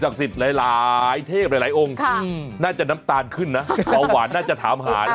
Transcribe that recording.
กัตเวายน้ำแดงอย่างนั้น